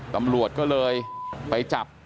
ตำรวจก็เลยไปจับ